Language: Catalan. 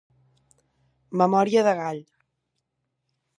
Memòria de gall.